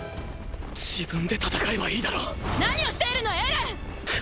自分で戦えばいいだろ何をしているのエレン！